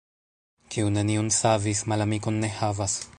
Kiu neniun savis, malamikon ne havas.